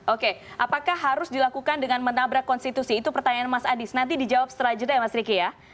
oke apakah harus dilakukan dengan menabrak konstitusi itu pertanyaan mas adis nanti dijawab setelah jeda ya mas ricky ya